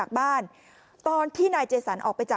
กลุ่มตัวเชียงใหม่